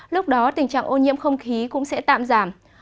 lúc đó tình trạng ô nhiễm không khí cũng sẽ tạm giảm